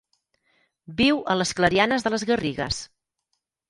Viu a les clarianes de les garrigues.